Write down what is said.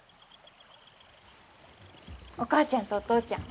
お母ちゃんとお父ちゃん